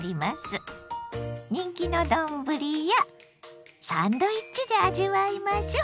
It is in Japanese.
人気の丼やサンドイッチで味わいましょ！